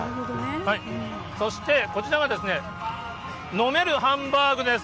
そしてこちらがですね、飲めるハンバーグです。